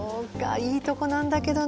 いいとこなんだけどな。